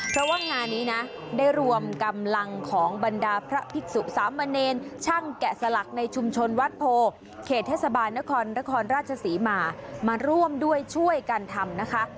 เพราะว่างานนี้นะได้รวมกำลังของบรรดาพระภิกษุสามเณรช่างแกะสลักในชุมชนวัดโพเขตเทศบาลนครนครราชศรีมามาร่วมด้วยช่วยกันทำนะคะ